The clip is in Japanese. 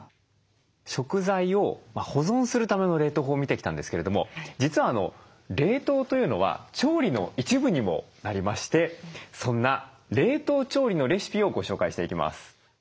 食材を保存するための冷凍法を見てきたんですけれども実は冷凍というのは調理の一部にもなりましてそんな冷凍調理のレシピをご紹介していきます。